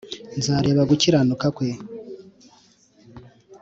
nzareba gukiranuka kwe